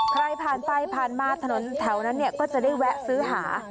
ใครผ่านไปผ่านมาถนนแถวนั้นก็จะได้แวะซื้อหา